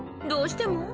どうしても？